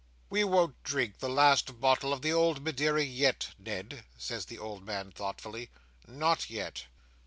"We won't drink the last bottle of the old Madeira yet, Ned," says the old man thoughtfully. "Not yet.